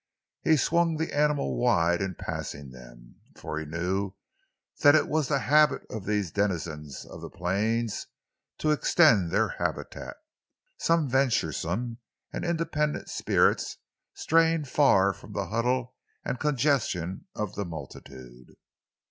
He swung the animal wide in passing them—for he knew it was the habit of these denizens of the plains to extend their habitat—some venturesome and independent spirits straying far from the huddle and congestion of the multitude.